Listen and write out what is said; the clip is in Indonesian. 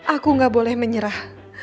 aku gak boleh menyerah